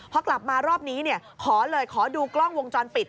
พอกลับมารอบนี้ขอเลยขอดูกล้องวงจรปิด